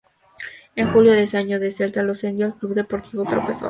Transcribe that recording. En julio de ese año, el Celta lo cedió al Club Deportivo Tropezón.